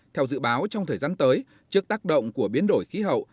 theo dự báo trong thời gian tới trước tác động của biến đổi khí hậu